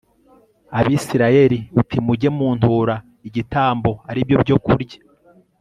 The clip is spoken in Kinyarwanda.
Abisirayeli uti mujye muntura igitambo ari byo byokurya